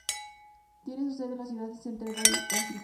Tiene su sede en la ciudad de Center Valley, Pensilvania.